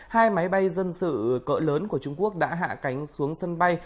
hai máy bay dân sự cỡ lớn của trung quốc đã hạ cánh xuống sân bay